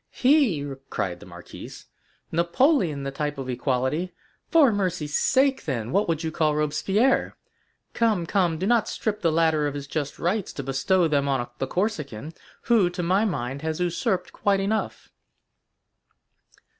"He!" cried the marquise: "Napoleon the type of equality! For mercy's sake, then, what would you call Robespierre? Come, come, do not strip the latter of his just rights to bestow them on the Corsican, who, to my mind, has usurped quite enough."